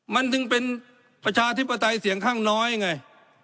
มันถึงเป็นประชาธิปไตยเสียงข้างน้อยไง